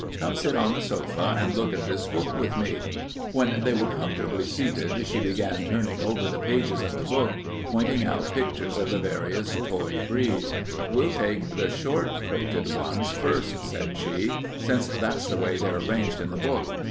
Come sit on the sofa and look at this book with me." When they were comfortably seated, she began turning over the pages of the book, pointing out pictures of the various toy breeds. "We'll take the short coated ones first," said she, "since that's the way they're arranged in the book.